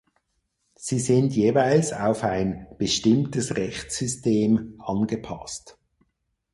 Sie sind jeweils auf ein "bestimmtes Rechtssystem" angepasst.